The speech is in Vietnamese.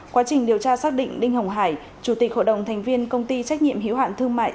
quá trình điều tra xác định đinh hồng hải chủ tịch hội đồng thành viên công ty trách nhiệm hiếu hạn thương mại